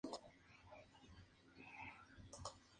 Forma parte del parque nacional de La Reunión.